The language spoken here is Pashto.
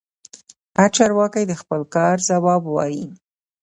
هر چارواکي د خپل کار ځواب وايي.